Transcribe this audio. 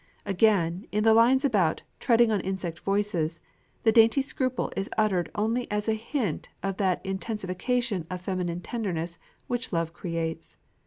Again, in the lines about "treading on insect voices," the dainty scruple is uttered only as a hint of that intensification of feminine tenderness which love creates.